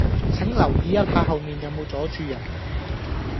請留意一下後面有無阻住人